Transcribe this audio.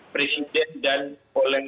presiden dan oleh